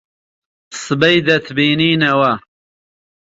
سبەی دەتبینینەوە.